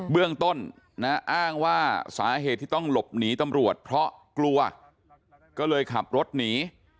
เรื่องต้นนะอ้างว่าสาเหตุที่ต้องหลบหนีตำรวจเพราะกลัวก็เลยขับรถหนี